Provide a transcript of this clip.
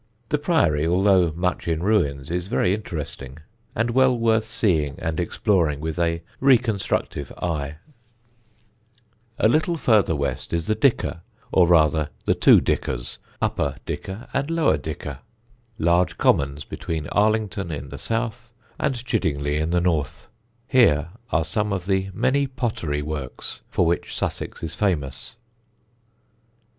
The priory, although much in ruins, is very interesting, and well worth seeing and exploring with a reconstructive eye. [Sidenote: THE TWO DICKERS] A little further west is the Dicker or rather the two Dickers, Upper Dicker and Lower Dicker, large commons between Arlington in the south and Chiddingly in the north. Here are some of the many pottery works for which Sussex is famous.